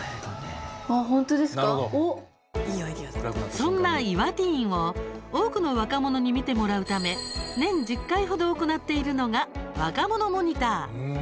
そんな「イワティーン」を多くの若者に見てもらうため年１０回程、行っているのが「ワカモノモニター」。